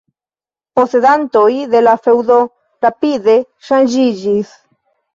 Posedantoj de la feŭdo rapide ŝanĝiĝis.